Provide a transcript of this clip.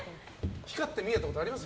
光って見えたことあります？